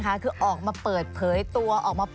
ดูกันด้วย